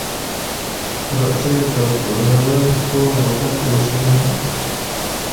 رسۍ د غره، کور، او دښتې وسیله ده.